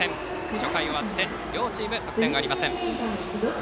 初回終わって両チーム得点ありません。